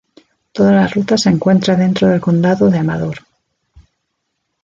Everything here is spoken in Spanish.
Toda la ruta se encuentra dentro del condado de Amador.